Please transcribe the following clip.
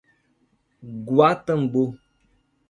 Guatambu